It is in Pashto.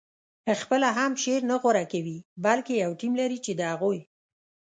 خپله هم شعر نه غوره کوي بلکې یو ټیم لري چې د هغوی